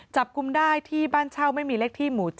กุมได้ที่บ้านเช่าไม่มีเลขที่หมู่๗